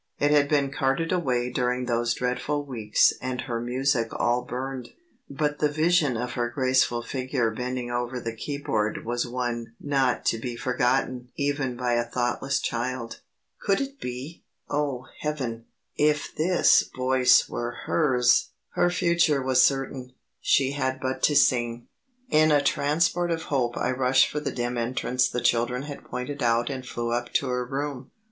It had been carted away during those dreadful weeks and her music all burned; but the vision of her graceful figure bending over the keyboard was one not to be forgotten even by a thoughtless child. Could it be oh, heaven! if this voice were hers! Her future was certain; she had but to sing. In a transport of hope I rushed for the dim entrance the children had pointed out and flew up to her room.